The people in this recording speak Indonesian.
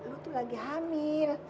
lo tuh lagi hamil